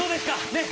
ねっ。